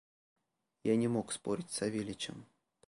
Я не мог спорить с Савельичем.